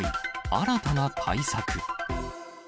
新たな対策。